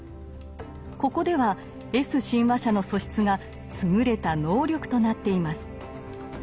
ここではＳ親和者の素質が優れた能力となっています。